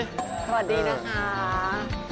สวัสดีค่ะ